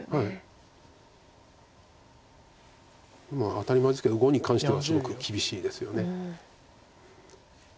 当たり前ですけど碁に関してはすごく厳しいですよね。